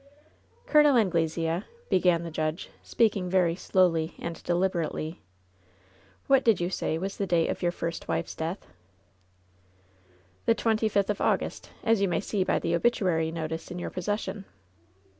"Col. Anglesea," began the judge, speaking very slowly and deliberately, "what did you say was lie date of your first wife^s death ?" "The twenty fifth of August, as you may see by the obituary notice in your possession."